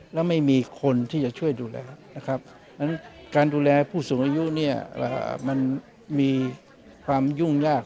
และไม่มีคนที่จะช่วยดูแลฉะนั้นการดูแลผู้สูงอายุมีความยุ่งยาก